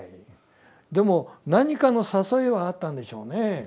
でも何かの誘いはあったんでしょうね。